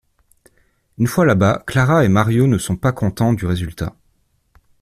Une fois là-bas, Clara et Mario ne sont pas contents du résultat.